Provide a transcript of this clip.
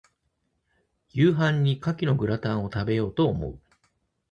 夕飯に牡蠣のグラタンを、食べようと思う。